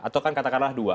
atau kan katakanlah dua